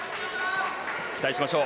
期待しましょう。